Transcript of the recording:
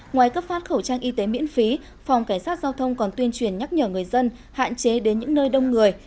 ngoài cấp phát khẩu trang y tế miễn phí phòng cảnh sát giao thông còn tuyên truyền nhắc nhở người dân hạn chế đến những nơi đông người